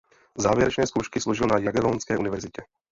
Závěrečné zkoušky složil na Jagellonské univerzitě.